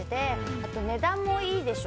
あと値段もいいでしょ。